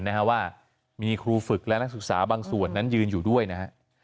นะฮะว่ามีครูฝึกและนักศึกษาบางส่วนนั้นยืนอยู่ด้วยนะฮะ